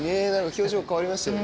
表情変わりましたよね。